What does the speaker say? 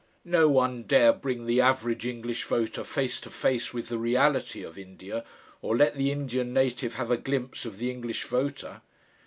No one dare bring the average English voter face to face with the reality of India, or let the Indian native have a glimpse of the English voter.